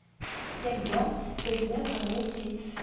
Targa tettazzal ɣer wasif.